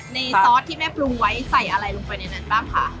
ซอสที่แม่ปรุงไว้ใส่อะไรลงไปในนั้นบ้างคะ